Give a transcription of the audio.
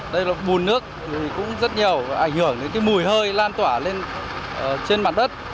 đây là bùn nước cũng rất nhiều ảnh hưởng đến mùi hơi lan tỏa lên trên mặt đất